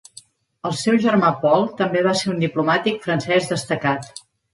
El seu germà Paul també va ser un diplomàtic francès destacat.